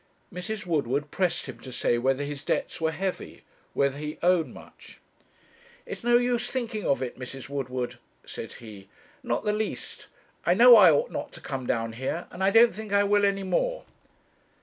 Mrs. Woodward pressed him to say whether his debts were heavy whether he owed much. 'It's no use thinking of it, Mrs. Woodward,' said he; 'not the least. I know I ought not to come down here; and I don't think I will any more.'